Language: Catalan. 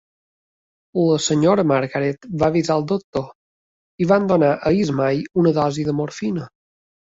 La senyora Margaret va avisar el doctor i van donar a Ismay una dosi de morfina.